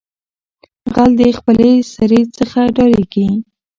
ـ غل دې خپلې سېرې څخه ډاريږي.